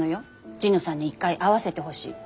神野さんに一回会わせてほしいって。